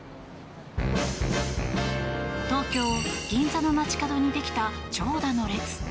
東京・銀座の街角にできた長蛇の列。